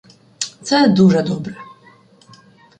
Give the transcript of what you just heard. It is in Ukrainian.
Це дуже добре.